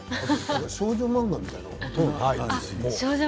少女漫画みたいなものは？